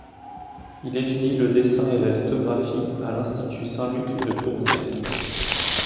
Il étudie le dessin et la lithographie à l’Institut Saint-Luc de Tournai.